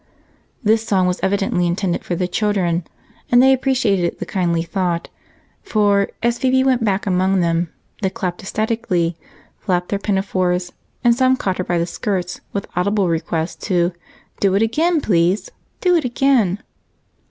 This song was evidently intended for the children, and they appreciated the kindly thought, for as Phebe went back among them, they clapped ecstatically, flapped their pinafores, and some caught her by the skirts with audible requests to "Do it again, please; do it again."